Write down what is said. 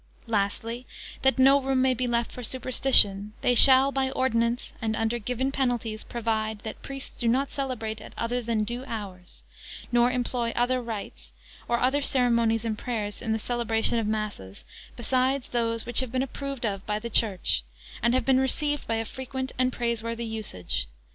Lastly, that no room may be left for superstition; they shall by ordinance, and under given penalties, provide, that priests do not celebrate at other than due hours; nor employ other rites, or other ceremonies and prayers, in the celebration of masses, besides those which have been approved of by the Church, and have been received by a frequent and praiseworthy usage.